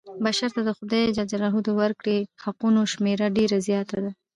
بشر ته د خدای ج د ورکړي حقونو شمېره ډېره زیاته ده.